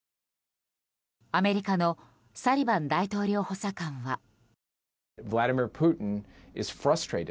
アメリカのサリバン大統領補佐官は。